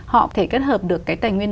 họ có thể kết hợp được cái tài nguyên